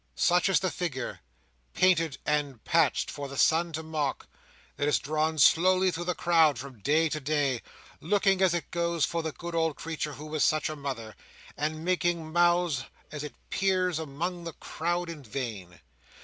Such is the figure, painted and patched for the sun to mock, that is drawn slowly through the crowd from day to day; looking, as it goes, for the good old creature who was such a mother, and making mouths as it peers among the crowd in vain.